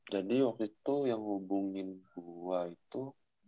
jadi waktu itu yang hubungin gua itu